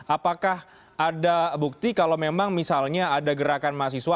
apakah ada bukti kalau memang misalnya ada gerakan mahasiswa